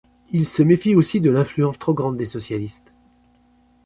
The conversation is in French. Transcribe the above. Il se méfie aussi de l'influence trop grande des socialistes.